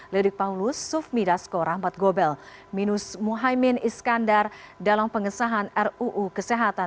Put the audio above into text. lidik paulus sufmi dasko rahmat gobel minus muhaymin iskandar dalam pengesahan ruu kesehatan